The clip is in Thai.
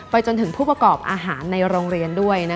จนถึงผู้ประกอบอาหารในโรงเรียนด้วย